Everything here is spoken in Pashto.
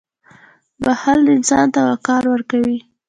• بښل انسان ته وقار ورکوي.